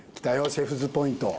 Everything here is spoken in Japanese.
シェフズポイント。